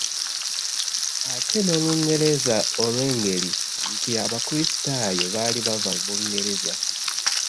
Ate n’Olungereza olw’engeri nti abakulisitaayo baali bava Bungereza.